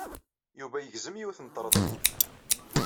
Yuba yegzem yiwet n treḍlimt.